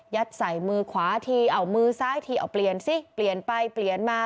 ใส่มือขวาทีเอามือซ้ายทีเอาเปลี่ยนซิเปลี่ยนไปเปลี่ยนมา